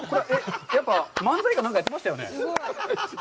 やっぱ漫才かなんかやってましたよね。